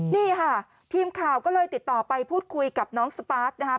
นี่ค่ะทีมข่าวก็เลยติดต่อไปพูดคุยกับน้องสปาร์คนะครับ